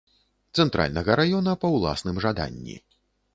Цэнтральнага раёна па ўласным жаданні.